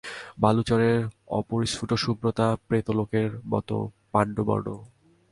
বালুচরের অপরিস্ফুট শুভ্রতা প্রেতলোকের মতো পাণ্ডুবর্ণ।